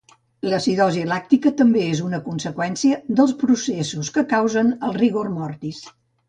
L'acidosi làctica també és una conseqüència dels processos que causen el rigor mortis.